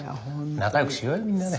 仲よくしようよみんなで。